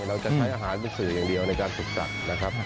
เราจะใช้อาหารเป็นสื่ออย่างเดียวในการฝึกจัดนะครับ